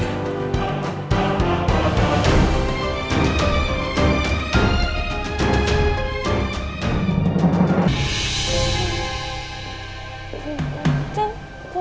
sampai jumpa di video selanjutnya